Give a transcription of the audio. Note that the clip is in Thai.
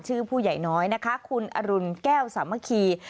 ชื่อผู้ใหญ่น้อยนะคะคุณอรุณแก้วสามัคคี